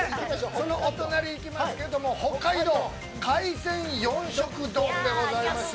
そのお隣行きますけど、北海道、海鮮４色丼でございます。